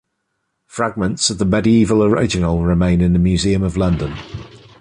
Fragments of the medieval original remain in the Museum of London.